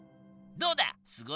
どうだ！